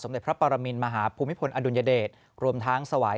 สมเด็จพระปรมินมหาภภูมิผลอันดุณเดสรวมทางสวาย